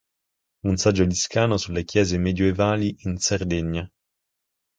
Un saggio di Scano sulle chiese medioevali in Sardegna